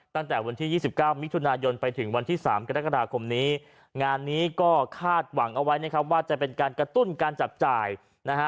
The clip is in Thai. ตั้งแต่วันที่๒๙มิถุนายนไปถึงวันที่สามกรกฎาคมนี้งานนี้ก็คาดหวังเอาไว้นะครับว่าจะเป็นการกระตุ้นการจับจ่ายนะฮะ